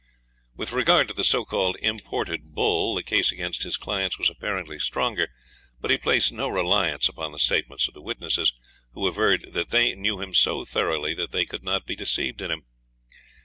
With regard to the so called imported bull the case against his clients was apparently stronger, but he placed no reliance upon the statements of the witnesses, who averred that they knew him so thoroughly that they could not be deceived in him.